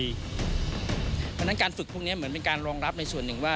เพราะฉะนั้นการฝึกพวกนี้เหมือนเป็นการรองรับในส่วนหนึ่งว่า